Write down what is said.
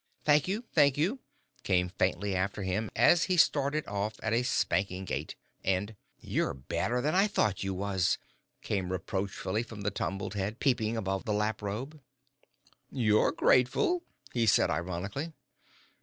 "Thank you, thank you," came faintly after him as he started off at a spanking gait, and, "You're badder than I thought you was," came reproachfully from the tumbled head peeping above the lap robe. "You're grateful!" he said, ironically.